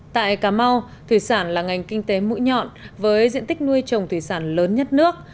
tại cà mau thủy sản là ngành kinh tế mũi nhọn với diện tích nuôi trồng thủy sản lớn nhất nước